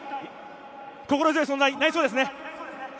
心強い存在になりそうですね。